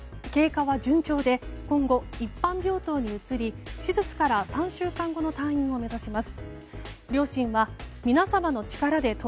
経過は順調で今後、一般病棟に移り手術から３週間後の退院を目指します。